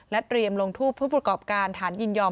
เตรียมลงทูปผู้ประกอบการฐานยินยอม